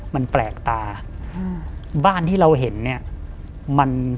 มันแปลกตา